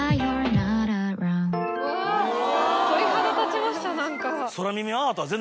鳥肌立ちました何か。